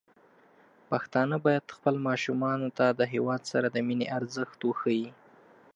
پښتانه بايد خپل ماشومان ته د هيواد سره د مينې ارزښت وښيي.